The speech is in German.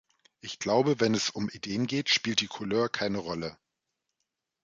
Ich glaube, wenn es um Ideen geht, spielt die Couleur keine Rolle.